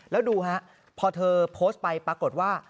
แล้วดูฮะพอเธอโพสต์ไปปรากฏว่า